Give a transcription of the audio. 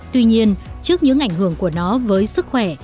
tuy nhiên trước những ảnh hưởng của nó với sức khỏe